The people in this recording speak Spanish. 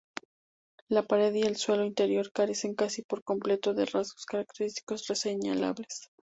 La pared y el suelo interior carecen casi por completo de rasgos característicos reseñables.